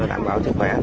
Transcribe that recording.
đảm bảo sức khỏe